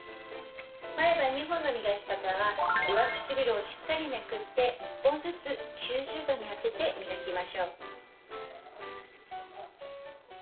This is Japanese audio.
前歯２本の磨き方は上唇をしっかりめくって１本ずつ９０度に当てて磨きましょう。